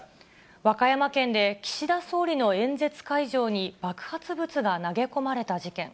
和歌山県で岸田総理の演説会場に爆発物が投げ込まれた事件。